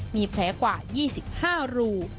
มีแผลกว่า๒๕รู